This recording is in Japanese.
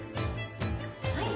はい。